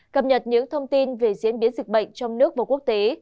cập nhật những thông tin về diễn biến dịch bệnh trong nước và quốc tế